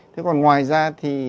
thế còn ngoài ra thì